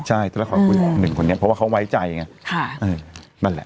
ใช่ตอนแรกเขาขอคุยกับคุณหนึ่งคนเนี่ยเพราะว่าเขาไว้ใจนั่นแหละ